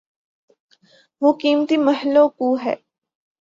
وہ قیمتی محل وقوع ہے۔